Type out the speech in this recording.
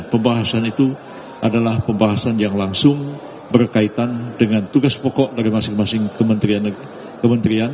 pembahasan itu adalah pembahasan yang langsung berkaitan dengan tugas pokok dari masing masing kementerian